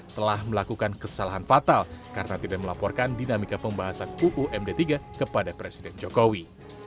telah melakukan kesalahan fatal karena tidak melaporkan dinamika pembahasan uumd tiga kepada presiden jokowi